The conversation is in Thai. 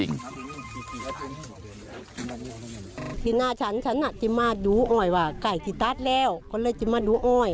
ทีนี้น้าชั้นชั้นน่ะจะมาดูน้อยว่ากาอยที่ต้าสแล้วก็เลยจะมาดูน้อย